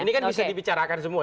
ini kan bisa dibicarakan semua